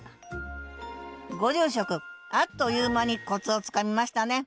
ご住職あっという間にコツをつかみましたね。